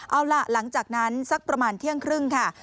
เอาล่ะหลังจากนั้นสักประมาณเที่ยงครึ่งค่ะ